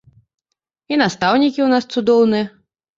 І настаўнікі ў нас цудоўныя.